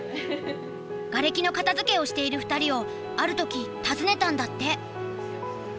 がれきの片づけをしている２人をある時訪ねたんだって。